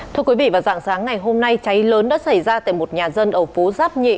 thưa quý vị vào dạng sáng ngày hôm nay cháy lớn đã xảy ra tại một nhà dân ở phố giáp nhị